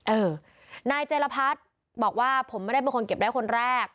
เออนายเจรพัฒน์บอกว่าผมไม่ได้เป็นคนเก็บได้คนแรก